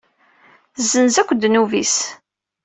Tezzenz akk ddhub-is.